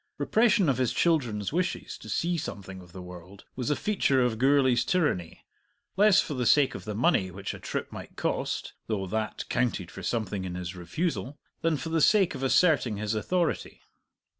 Repression of his children's wishes to see something of the world was a feature of Gourlay's tyranny, less for the sake of the money which a trip might cost (though that counted for something in his refusal) than for the sake of asserting his authority.